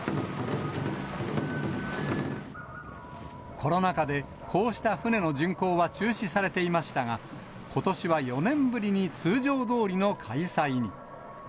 コロナ禍でこうした船の巡航は中止されていましたが、ことしは４年ぶりに通常どおりの開催に。